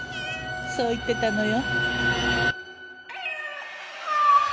そう言ってたのよ。